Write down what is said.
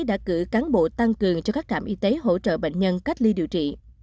đã cử cán bộ tăng cường cho các trạm y tế hỗ trợ bệnh nhân cách ly điều trị